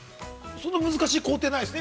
◆そんな難しい工程ないですね